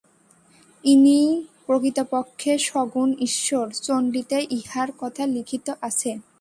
ইনিই প্রকৃতপক্ষে সগুণ ঈশ্বর, চণ্ডীতে ইঁহার কথা লিখিত আছে।